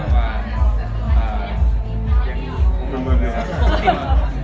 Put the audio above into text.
เขาเกี่ยวว่า